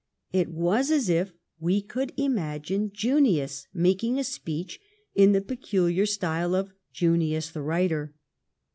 It was as if w^e could imagine Junius making a speech in the peculiar style of Junius the writer.